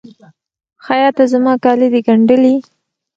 خیاطه! زما کالي د ګنډلي؟